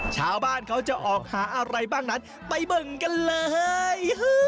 ชาวบ้านเขาจะออกหาอะไรบ้างนั้นไปเบิ่งกันเลย